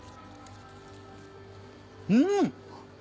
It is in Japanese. うん。